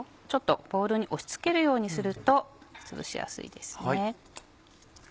ボウルに押し付けるようにするとつぶしやすいですね。